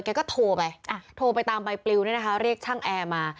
แกก็โทรไปโทรไปตามใบปลิวเรียกช่างแอร์มา